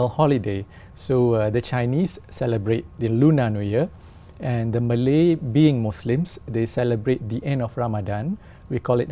những người trung kỷ niệm kỷ niệm ngày tết và những người malay kỷ niệm kỷ niệm kỷ niệm kỷ niệm kỷ niệm kỷ niệm kỷ niệm